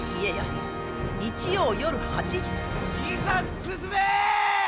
いざ進め！